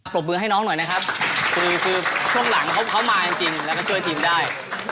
บมือให้น้องหน่อยนะครับคือช่วงหลังเขามาจริงแล้วก็ช่วยทีมได้